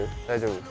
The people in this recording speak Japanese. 大丈夫？